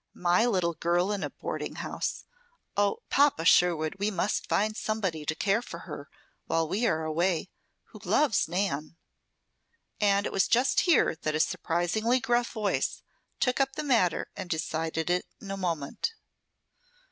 My little girl in a boarding house. Oh, Papa Sherwood! We must find somebody to care for her while we are away, who loves Nan." And it was just here that a surprisingly gruff voice took up the matter and decided it in a moment.